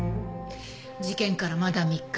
事件からまだ３日。